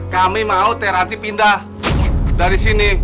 kami mau tera ranti pindah dari sini